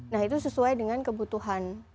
nah itu sesuai dengan kebutuhan